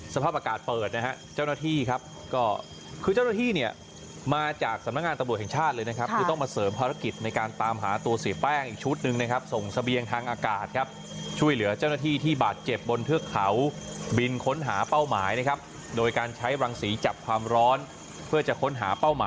สภาพอากาศเปิดนะฮะเจ้าหน้าที่ครับก็คือเจ้าหน้าที่เนี่ยมาจากสำนักงานตำรวจแห่งชาติเลยนะครับคือต้องมาเสริมภารกิจในการตามหาตัวเสียแป้งอีกชุดหนึ่งนะครับส่งเสบียงทางอากาศครับช่วยเหลือเจ้าหน้าที่ที่บาดเจ็บบนเทือกเขาบินค้นหาเป้าหมายนะครับโดยการใช้รังสีจับความร้อนเพื่อจะค้นหาเป้าหมาย